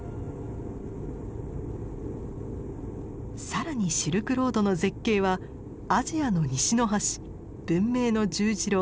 更にシルクロードの絶景はアジアの西の端文明の十字路